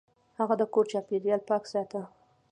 هغه د کور چاپیریال پاک ساته.